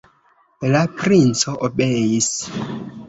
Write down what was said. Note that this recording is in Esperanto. La princo obeis.